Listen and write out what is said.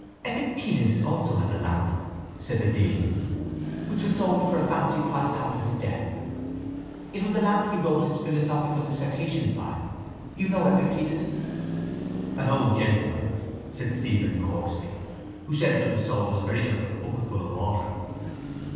—Epictetus also had a lamp, said the dean, which was sold for a fancy price after his death. It was the lamp he wrote his philosophical dissertations by. You know Epictetus? —An old gentleman, said Stephen coarsely, who said that the soul is very like a bucketful of water.